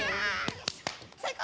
最高！